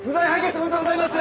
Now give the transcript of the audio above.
おめでとうございます！